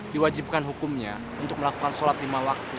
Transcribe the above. diwajibkan hukumnya untuk melakukan sholat lima waktu